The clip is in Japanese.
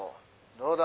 どうだ？